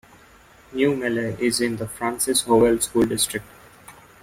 New Melle is in the Francis Howell School District.